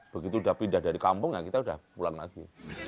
begitu udah pindah dari kampung ya kita udah pulang lagi